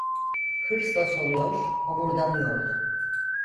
Hırsla soluyor, homurdanıyordu.